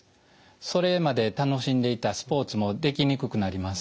それまで楽しんでいたスポーツもできにくくなります。